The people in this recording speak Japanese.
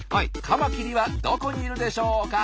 カマキリはどこにいるでしょうか？